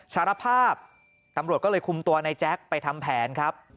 สารภาพตำรวจก็เลยคุมตัวในแจ๊คไปทำแผนครับ